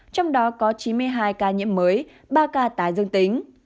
trong đó có chín mươi hai ca nhiễm mới ba ca tái dương tính